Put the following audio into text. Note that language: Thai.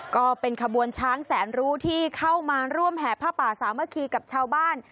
ก็เป็นขบวนช้างแสนรู้ที่เข้ามาร่วมแห่ผ้าป่าสามัคคีกับชาวบ้าน